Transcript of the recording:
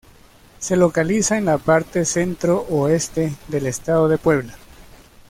Se localiza en la parte centro oeste del Estado de Puebla.